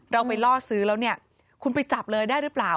เราไปล่อซื้อแล้วเนี่ยคุณไปจับเลยได้หรือเปล่า